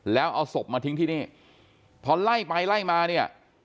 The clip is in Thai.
แล้วเอาศพมาทิ้งที่นี่พอไล่ไปไล่มาเนี่ย